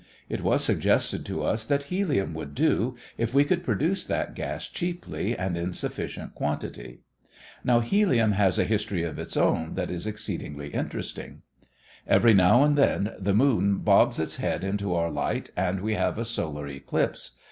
It was suggested to us that helium would do if we could produce that gas cheaply and in sufficient quantity. Now, helium has a history of its own that is exceedingly interesting. Every now and then the moon bobs its head into our light and we have a solar eclipse.